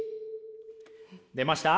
出ました？